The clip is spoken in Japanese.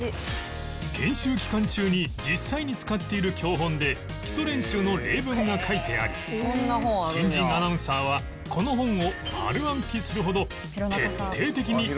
研修期間中に実際に使っている教本で基礎練習の例文が書いてあり新人アナウンサーはこの本を丸暗記するほど徹底的に読み込まなければならない